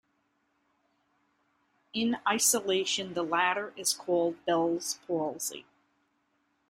In isolation, the latter is called Bell's Palsy.